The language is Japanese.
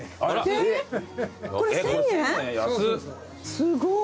すごい。